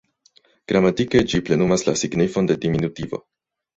Gramatike ĝi plenumas la signifon de diminutivo.